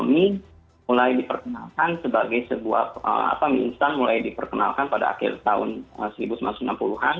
mie mulai diperkenalkan sebagai sebuah mie instan mulai diperkenalkan pada akhir tahun seribu sembilan ratus enam puluh an